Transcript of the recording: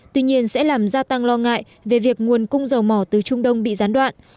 tuy nhiên sẽ làm gia tăng lo ngại về việc nguồn cung dầu mỏ từ trung đông bị gián đoạn